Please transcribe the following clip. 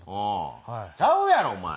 ちゃうやろお前。